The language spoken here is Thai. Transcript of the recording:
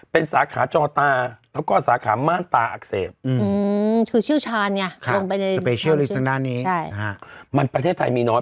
เป็นสาขาจอตาแล้วก็สาขาม่านตาอักเสบอืมก็เร่งไปตรงจุ่มของเนี่ยมันประเทศไทยมีน้อย